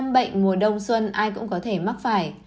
bệnh mùa đông xuân ai cũng có thể mắc phải